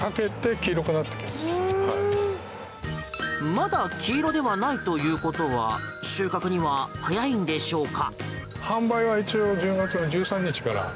まだ黄色ではないということは収穫には早いんでしょうか？